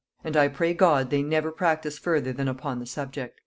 And I pray God they never practise further than upon the subject."